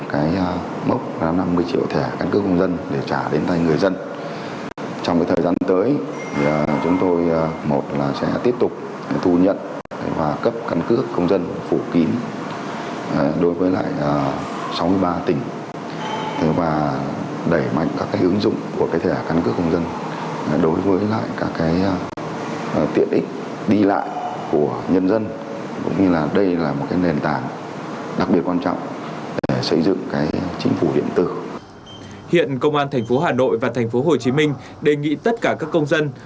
công an thành phố hà nội và thành phố hồ chí minh đề nghị tất cả các công dân